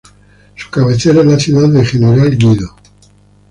Su cabecera es la ciudad de General Guido.